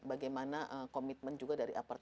bagaimana komitmen juga dari apart